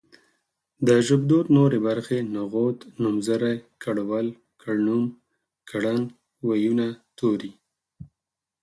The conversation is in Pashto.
د ژبدود نورې برخې نغوت نومځری کړول کړنوم کړند وييونه توري